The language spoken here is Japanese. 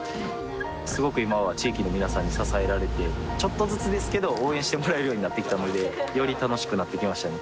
すごく今は地域の皆さんに支えられてちょっとずつですけど応援してもらえるようになってきたのでより楽しくなってきましたね